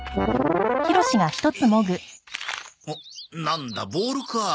なんだボールか。